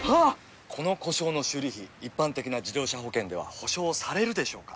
この故障の修理費一般的な自動車保険では補償されるでしょうか？